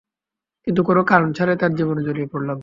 কিন্তু কোনও কারণ ছাড়াই তার জীবনে জড়িয়ে পড়লাম।